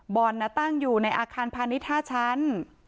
บอร์นตั้งอยู่ในอาคารพาณิทชาติชั้น